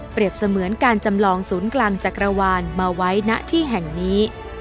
เสมือนการจำลองศูนย์กลางจักรวาลมาไว้ณที่แห่งนี้